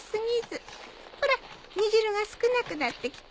ほら煮汁が少なくなってきた。